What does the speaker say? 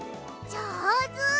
じょうず！